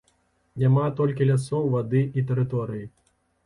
Няма толькі лясоў, вады і тэрыторыі.